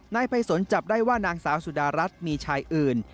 นายภัยสนจับได้ว่านางสาวสุดารัฐมีชายอื่น